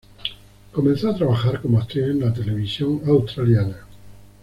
Comenzó a trabajar como actriz en la televisión australiana.